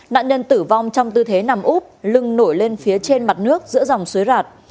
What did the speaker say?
nạn nhân tử vong trong tư thế nằm úp lưng nổi lên phía trên mặt nước giữa dòng suối rạt